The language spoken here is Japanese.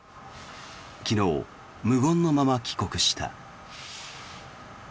昨日、無言のまま帰国した。